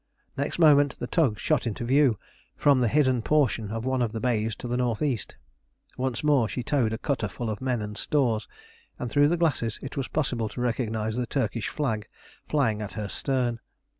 Next moment the tug shot into view from the hidden portion of one of the bays to the N.E. Once more she towed a cutter full of men and stores, and through the glasses it was possible to recognise the Turkish flag flying at her stern.